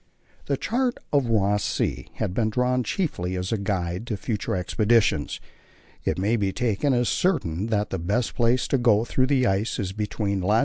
The chart of Ross Sea has been drawn chiefly as a guide to future expeditions. It may be taken as certain that the best place to go through the ice is between long.